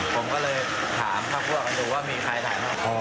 ผมก็เลยถามพักพวกกันดูว่ามีใครถ่ายมาพอ